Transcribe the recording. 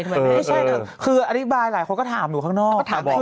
ไม่ใช่นะคืออธิบายหลายคนก็ถามหนูข้างนอก